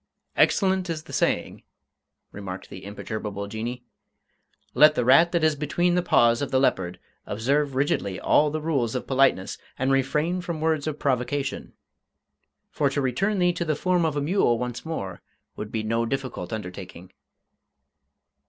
"Excellent is the saying," remarked the imperturbable Jinnee, "'Let the rat that is between the paws of the leopard observe rigidly all the rules of politeness and refrain from words of provocation.' For to return thee to the form of a mule once more would be no difficult undertaking."